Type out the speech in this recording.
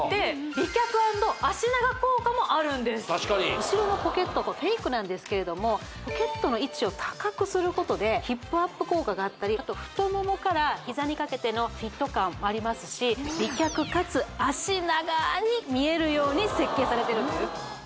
確かに後ろのポケットこれフェイクなんですけれどもポケットの位置を高くすることでヒップアップ効果があったりあと太ももから膝にかけてのフィット感もありますし美脚かつ脚長に見えるように設計されてるんです